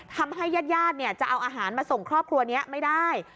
ญาติจะเอาอาหารมาส่งครอบครัวนี้ไม่ได้